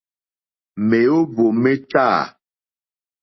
Mèóhwò mé tâ.